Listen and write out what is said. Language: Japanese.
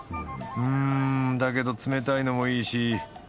うんだけど冷たいのもいいし。